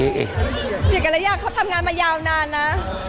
เปลี่ยนกรยาเขาทำงานมายาวนานนะ